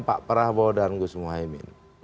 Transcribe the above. pak prabowo dan gus muhaymin